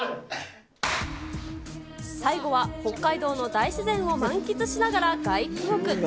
最後は、北海道の大自然を満喫しながら、外気浴。